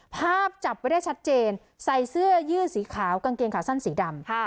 จับไว้ได้ชัดเจนใส่เสื้อยืดสีขาวกางเกงขาสั้นสีดำ